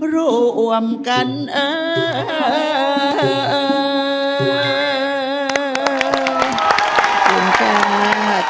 รวมกันอา